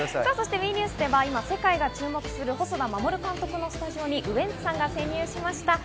ＷＥニュースでは今、世界が注目する細田守監督のスタジオにウエンツさんが潜入しました。